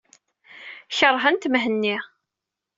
Keṛhent Mhenni.